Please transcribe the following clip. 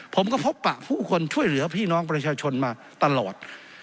ผมก็พบปะผู้คนช่วยเหลือพี่น้องประชาชนมาตลอด